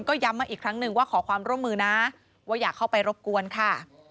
ก็ย้ำมาอีกครั้งหนึ่งว่าขอความร่วมมือนะว่าอย่าเข้าไปรบกวนค่ะ